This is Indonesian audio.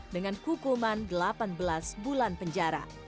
dengan hukuman delapan belas bulan penjara